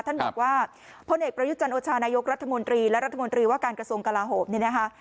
ท่านบอกว่าพลเอกประยุจันโอชานายกรัฐมนตรีและรัฐมนตรีว่าการกระทรวงกลาโหมเนี่ยนะคะ